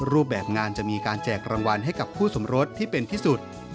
รูปแบบงานจะมีการแจกรางวัลให้กับคู่สมรสที่เป็นที่สุด